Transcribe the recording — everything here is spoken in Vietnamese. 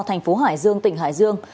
thành phố hải dương tỉnh hải dương